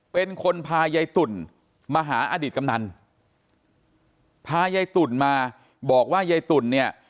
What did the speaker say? เป็นคนพายายตุ่นมาหาอดีตกำนันพายายตุ่นมาบอกว่ายายตุ่นเนี่ย